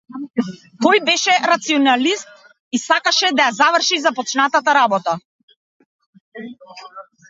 Тој беше рационалист и сакаше да ја заврши започнатата работа.